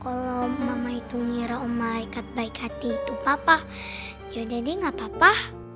kalo mama itu ngira om malaikat baik hati itu papa yaudah deh gak papa